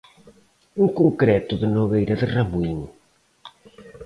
En concreto de Nogueira de Ramuín.